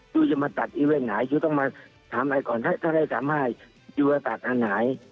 ยูจะมาตัดอีเวตไหนอยู่ต้องมาถามอะไรก่อนถ้าให้๓๕อยู่ลิมณ์ออกมาตัดอีเวตไหน